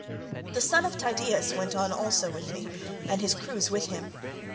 The son of Tydeus went on also with me, and his crews with him.